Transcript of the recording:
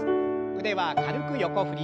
腕は軽く横振り。